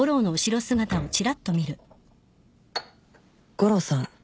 悟郎さん